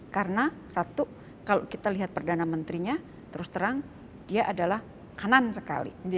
karena satu kalau kita lihat perdana menterinya terus terang dia adalah kanan sekali